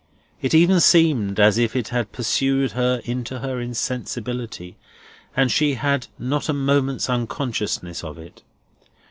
It even seemed as if it had pursued her into her insensibility, and she had not had a moment's unconsciousness of it.